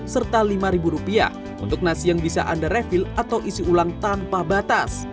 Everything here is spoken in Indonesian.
serta rp lima untuk nasi yang bisa anda refill atau isi ulang tanpa batas